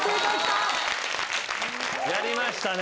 やりましたね。